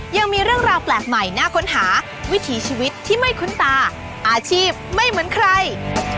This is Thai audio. ยังมีเรื่องราวแปลกใหม่น่าค้นหาวิถีชีวิตที่ไม่คุ้นตาอาชีพไม่เหมือนใคร